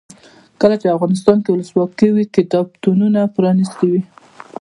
کله چې افغانستان کې ولسواکي وي کتابتونونه پرانیستي وي.